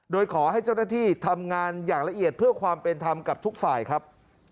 โดยขอให้เจ้าหน้าที่ทำงานอย่างละเอียดเพื่อความเป็นธรรมกับทุกฝ่ายครับ